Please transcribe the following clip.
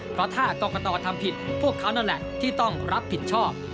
เพราะถ้ากรกตทำผิดพวกเขานั่นแหละที่ต้องรับผิดชอบ